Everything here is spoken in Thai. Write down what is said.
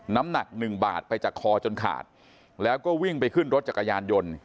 น้ำหนักหนึ่งบาทไปจากคอจนขาดแล้วก็วิ่งไปขึ้นรถจักรยานยนต์